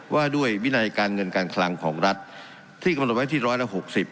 ว่าด้วยวินัยการเงินการคลังของรัฐที่กำหนดไว้ที่ร้อยละ๖๐